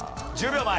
１０秒前。